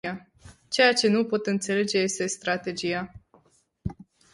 Ceea ce nu pot înțelege este strategia.